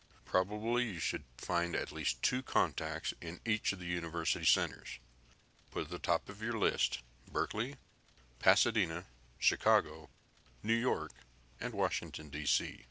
Probably you should find at least two contacts in each of the university centers. Put at the top of your list Berkeley, Pasadena, Chicago, New York, and Washington, D.C.